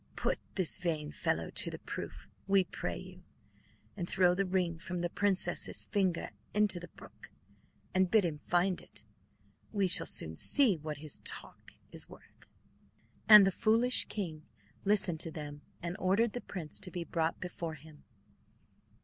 Put this vain fellow to the proof, we pray you, and throw the ring from the princess's finger into the brook, and bid him find it. We shall soon see what his talk is worth." And the foolish king listened to them, and ordered the prince to be brought before him.